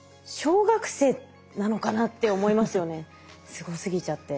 すごすぎちゃって。